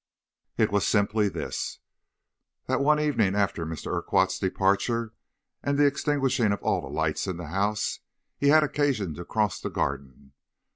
"It was simply this: That one evening after Mr. Urquhart's departure, and the extinguishing of all the lights in the house, he had occasion to cross the garden.